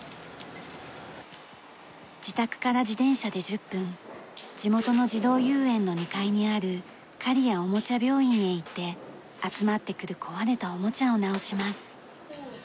自宅から自転車で１０分地元の児童遊園の２階にある刈谷おもちゃ病院へ行って集まってくる壊れたおもちゃを直します。